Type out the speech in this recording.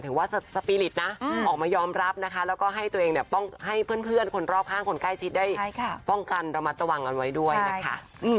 ว่าสปีริตนะออกมายอมรับนะคะแล้วก็ให้ตัวเองเนี่ยป้องให้เพื่อนคนรอบข้างคนใกล้ชิดได้ป้องกันระมัดระวังกันไว้ด้วยนะคะ